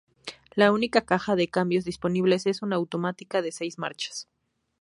La única caja de cambios disponible es una automática de seis marchas.